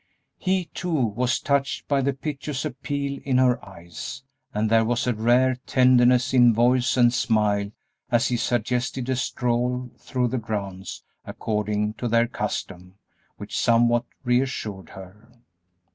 He, too, was touched by the piteous appeal in her eyes, and there was a rare tenderness in voice and smile as he suggested a stroll through the grounds according to their custom, which somewhat reassured her.